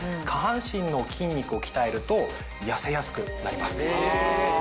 下半身の筋肉を鍛えると痩せやすくなります。